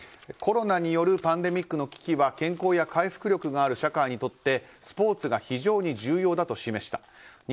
コロナによるパンデミックの危機は健康や回復力がある社会にとってスポーツが非常に重要だと示した。